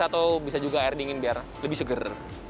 atau bisa juga air dingin biar lebih seger